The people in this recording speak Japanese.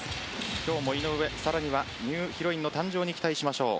今日も井上ニューヒロインの誕生に期待しましょう。